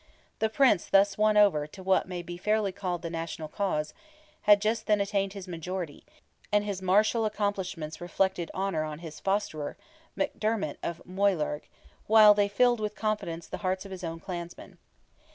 The Prince thus won over to what may be fairly called the national cause, had just then attained his majority, and his martial accomplishments reflected honour on his fosterer, McDermott of Moylurg, while they filled with confidence the hearts of his own clansmen.